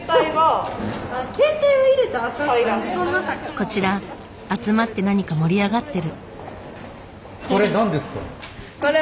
こちら集まって何か盛り上がってる。